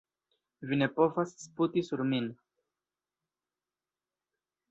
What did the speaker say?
Vi ne povas sputi sur min.